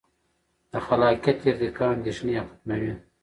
د خلاقیت ارتقا اندیښنې ختموي.